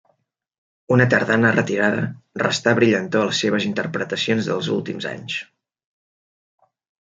Una tardana retirada restà brillantor a les seves interpretacions dels últims anys.